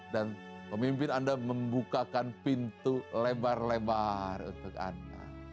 dan pemimpin anda membukakan pintu lebar lebar untuk anda